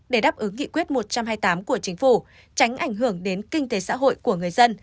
để đáp ứng nghị quyết một trăm hai mươi tám của chính phủ tránh ảnh hưởng đến kinh tế xã hội của người dân